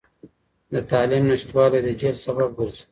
د تعلیم نشتوالی د جهل سبب ګرځي.